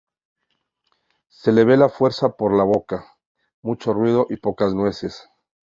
Se le va la fuerza por la boca. Mucho ruido y pocas nueces